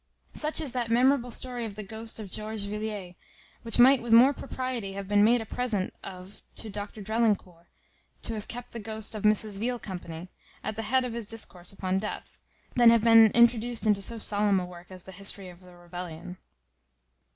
Such is that memorable story of the ghost of George Villiers, which might with more propriety have been made a present of to Dr Drelincourt, to have kept the ghost of Mrs Veale company, at the head of his Discourse upon Death, than have been introduced into so solemn a work as the History of the Rebellion.